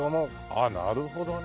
ああなるほどね。